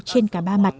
trên cả ba mặt